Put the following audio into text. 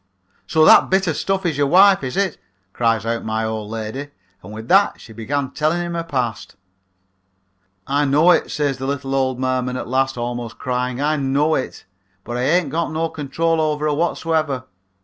"'So that bit of stuff is your wife, is it?' cries out my old lady, and with that she began telling him her past. "'I know it,' says the little old merman at last, almost crying; 'I know it, but I ain't got no control over her whatsoever.